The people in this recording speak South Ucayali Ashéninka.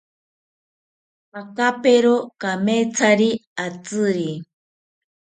Akapero kamethari atziri